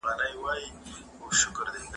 د ميرمنې نفقه پر خاوند باندې ولي لازمه ده؟